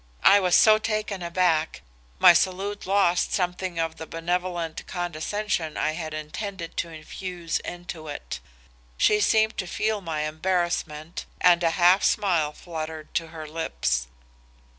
I was so taken aback, my salute lost something of the benevolent condescension I had intended to infuse into it. She seemed to feel my embarassment and a half smile fluttered to her lips.